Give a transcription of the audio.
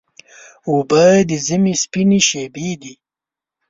اوبه د ژمي سپینې شېبې دي.